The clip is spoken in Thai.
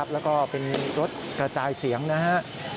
แล้วก็เป็นรถกระจายเสียงนะครับ